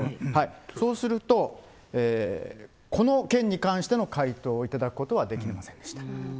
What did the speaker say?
そうすると、この件に関しての回答を頂くことはできませんでした。